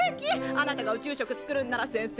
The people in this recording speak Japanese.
あなたが宇宙食作るんなら先生